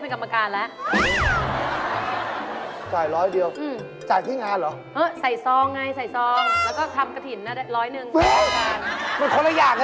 เพราะว่าวัยยมุทรได้แล้ว